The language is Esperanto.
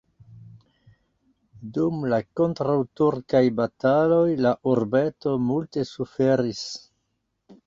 Dum la kontraŭturkaj bataloj la urbeto multe suferis.